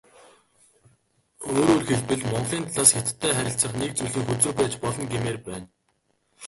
Өөрөөр хэлбэл, Монголын талаас Хятадтай харилцах нэг зүйлийн хөзөр байж болно гэмээр байна.